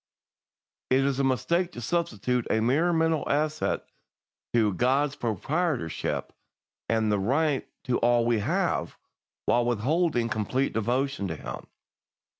"It is a mistake to substitute a mere mental assent to God's proprietorship and right to all we have, while withholding complete devotion to Him.